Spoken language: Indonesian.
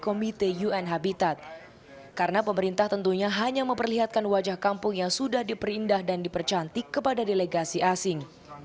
ketika ini pemerintah ini akan memperlihatkan wajah kampung yang sudah diperindah dan dipercantik kepada delegasi asing